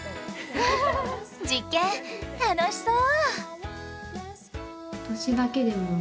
実験楽しそう！